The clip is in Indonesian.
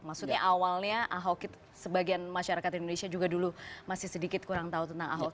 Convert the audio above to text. maksudnya awalnya ahok itu sebagian masyarakat indonesia juga dulu masih sedikit kurang tahu tentang ahok